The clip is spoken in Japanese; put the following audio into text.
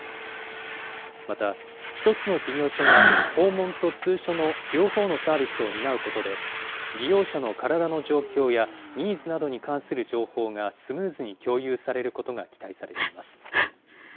また、１つの事業所が訪問と通所の両方のサービスを担うことで、利用者の体の状況やニーズなどに関する情報がスムーズに共有されることが期待されています。